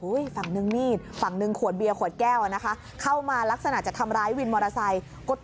ฝั่งนึงมีดฝั่งหนึ่งขวดเบียร์ขวดแก้วนะคะเข้ามาลักษณะจะทำร้ายวินมอเตอร์ไซค์